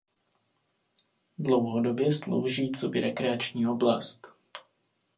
Dlouhodobě slouží coby rekreační oblast.